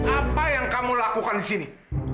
apa yang kamu lakukan di sini